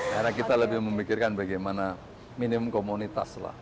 karena kita lebih memikirkan bagaimana minimum komunitas lah